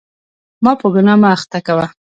ما په ګناه مه اخته کوه.